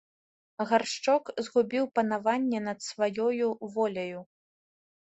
Гаршчок згубіў панаванне над сваёю воляю.